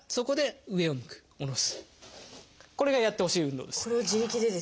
これがやってほしい運動です。